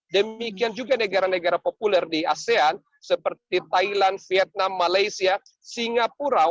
demikian juga negara negara populer di asean seperti thailand vietnam malaysia singapura